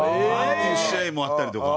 試合もあったりとか。